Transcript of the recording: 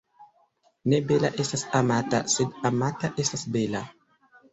Ne bela estas amata, sed amata estas bela.